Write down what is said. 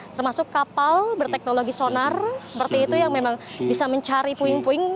termasuk kapal berteknologi sonar seperti itu yang memang bisa mencari puing puing